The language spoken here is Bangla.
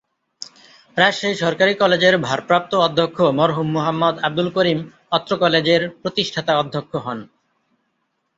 রাজশাহী সরকারী কলেজের ভারপ্রাপ্ত অধ্যক্ষ মরহুম মোহাম্মদ আবদুল করিম অত্র কলেজের প্রতিষ্ঠাতা অধ্যক্ষ হন।